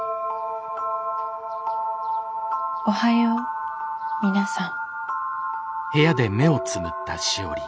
おはよう皆さん。